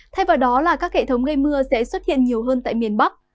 thay vào đó là các hệ thống gây mưa sẽ xuất hiện nhiều hơn tại miền bắc